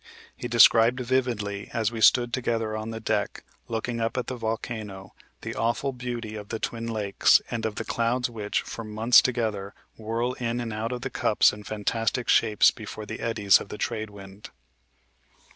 He described vividly, as we stood together on the deck, looking up at the volcano, the awful beauty of the twin lakes, and of the clouds which, for months together, whirl in and out of the cups in fantastic shapes before the eddies of the trade wind.